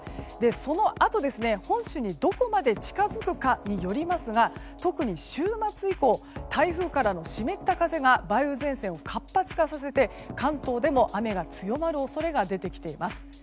そのあと、本州にどこまで近づくかによりますが特に週末以降台風からの湿った風が梅雨前線を活発化させて関東でも雨が強まる恐れが出てきています。